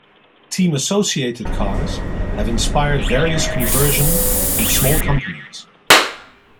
Team Associated cars have inspired various conversion from small companies.